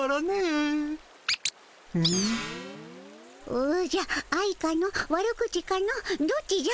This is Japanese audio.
おじゃ愛かの悪口かのどっちじゃ？